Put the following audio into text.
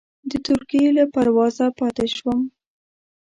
د ترکیې له پروازه پاتې شوم.